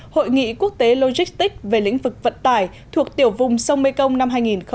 hội nghị quốc tế logistics về lĩnh vực vận tải thuộc tiểu vùng sông mekong năm hai nghìn một mươi chín